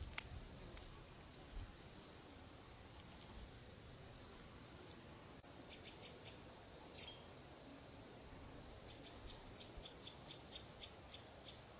สวัสดีครับทุกคน